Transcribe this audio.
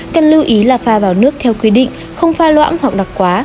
cần lưu ý là pha vào nước theo quy định không pha loãng hoặc đặc quá